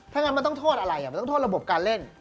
ถ้างั้นมันต้องโทษอะไรมันต้องโทษระบบการเล่น